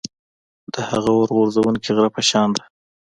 د هغه اور غورځوونکي غره په شان ده.